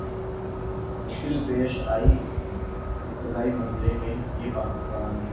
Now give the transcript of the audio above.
مشکل پیش آئی ابتدائی مر حلے میں یہ پاکستان کے